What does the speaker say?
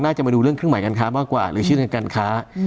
มาดูเรื่องเครื่องหมายการค้ามากกว่าหรือชื่อทางการค้า